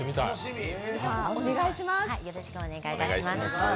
よろしくお願いします。